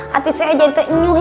hati saya jadi keinyuh inyuh